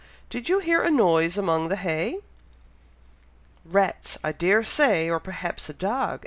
Did you hear a noise among the hay?" "Rats, I dare say! or perhaps a dog!"